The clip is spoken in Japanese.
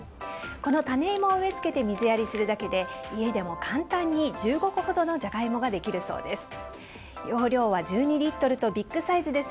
この種芋を植え付けて水やりするだけで家でも簡単に１５個ほどのジャガイモができるそうです。